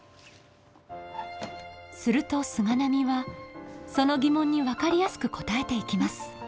すると菅波はその疑問に分かりやすく答えていきます。